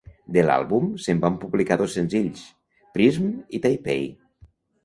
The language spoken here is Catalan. De l'àlbum, se'n van publicar dos senzills: "Prisms" i "Taipei".